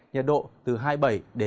nhiệt độ từ hai mươi bảy ba mươi bảy độ